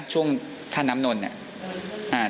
ช่วงท่าน้ำนนท์เนี่ย